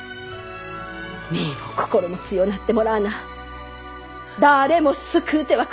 身も心も強なってもらわな誰も救うてはくれませんえ。